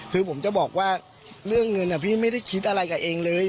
คือผมจะบอกว่าเรื่องเงินพี่ไม่ได้คิดอะไรกับเองเลย